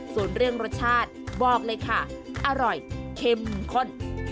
ส่วนเรื่องรสชาติบอกเลยค่ะอร่อยเข้มข้น